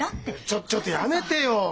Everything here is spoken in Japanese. ちょちょっとやめてよ！